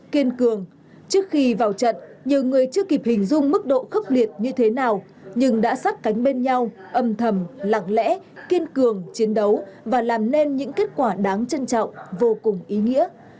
kiên cường trước khi vào trận nhiều người chưa kịp hình dung mức độ khốc liệt như thế nào nhưng đã sát cánh bên nhau âm thầm lặng lẽ kiên cường chiến đấu và làm nên những kết quả đáng trân trọng vô cùng ý nghĩa